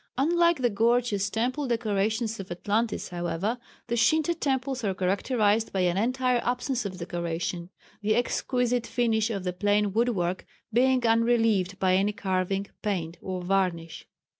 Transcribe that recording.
Unlike the gorgeous temple decorations of Atlantis however, the Shinto temples are characterized by an entire absence of decoration the exquisite finish of the plain wood work being unrelieved by any carving, paint or varnish.